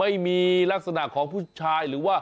ไม่มีลักษณะของผู้ชายหรือว่า